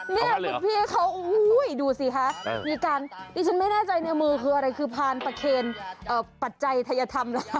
นี่คุณพี่เขาดูสิคะมีการดิฉันไม่แน่ใจในมือคืออะไรคือพานประเคนปัจจัยทัยธรรมนะคะ